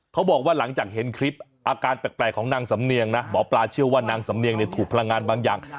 เขาบอกว่าหลังจากเห็นคลิปอาการแปลกของนางสำเนียงนะหมอปลาเชื่อว่านางสำเนียงเนี่ยถูกพลังงานบางอย่าง